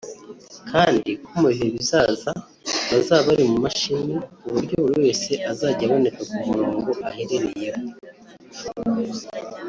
kandi ko mu bihe bizaza bazaba bari mu mashini ku buryo buri wese azajya aboneka ku murongo aherereyeho